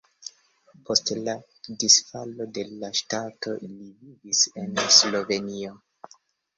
Post la disfalo de la ŝtato li vivis en Slovenio.